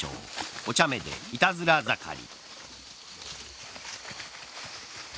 お茶目でいたずら盛り。